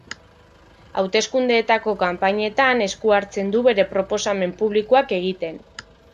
Hauteskundeetako kanpainetan esku hartzen du bere proposamen publikoak egiten.